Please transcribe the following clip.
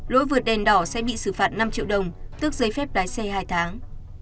lỗi vượt đèn đỏ sẽ bị xử phạt năm triệu đồng tước giấy phép lái xe hai tháng